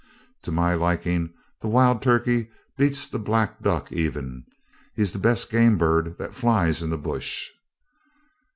To my liking the wild turkey beats the black duck even. He's the best game bird that flies in the bush.